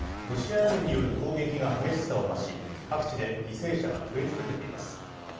ロシア軍による攻撃が激しさを増し、各地で犠牲者が増え続けています。